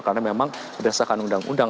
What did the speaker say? karena memang berdasarkan undang undang